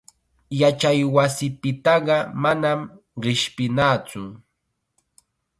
Yachaywasipitaqa manam qishpinatsu.